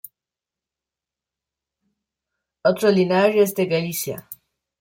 Otro linaje es de Galicia.